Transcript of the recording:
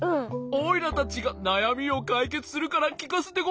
おいらたちがなやみをかいけつするからきかせてごらん。